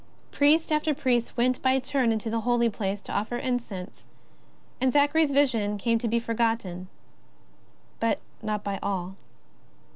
Priest after priest went by turn into the Holy Place to offer incense, and Zachary's vision came to be forgotten. But not by all.